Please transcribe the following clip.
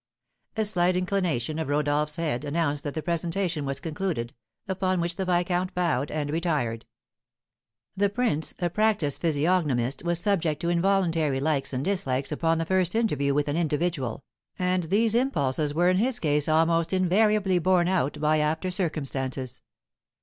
A slight inclination of Rodolph's head announced that the presentation was concluded, upon which the viscount bowed and retired. The prince, a practised physiognomist, was subject to involuntary likes and dislikes upon the first interview with an individual, and these impulses were in his case almost invariably borne out by after circumstances.